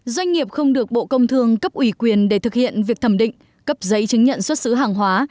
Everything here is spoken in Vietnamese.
doanh nghiệp không được bộ công thương cấp ủy quyền để thực hiện việc thẩm định cấp giấy chứng nhận xuất xứ hàng hóa